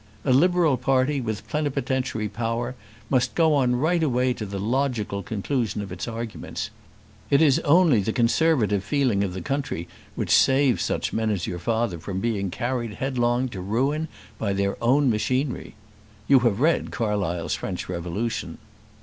A Liberal party, with plenipotentiary power, must go on right away to the logical conclusion of its arguments. It is only the conservative feeling of the country which saves such men as your father from being carried headlong to ruin by their own machinery. You have read Carlyle's French Revolution."